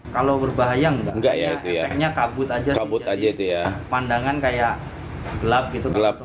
kalau berbahaya enggak efeknya kabut aja jadi pandangan kayak gelap gitu